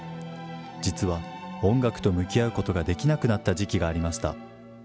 実は音楽と向き合うことができなくなった時期がありました。